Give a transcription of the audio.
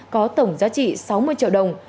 có tổng giá trị sáu mươi triệu đồng